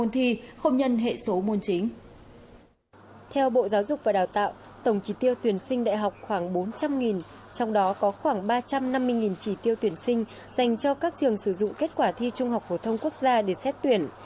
theo bộ giáo dục và đào tạo tổng trí tiêu tuyển sinh đại học khoảng bốn trăm linh trong đó có khoảng ba trăm năm mươi trí tiêu tuyển sinh dành cho các trường sử dụng kết quả thi trung học phổ thông quốc gia để xét tuyển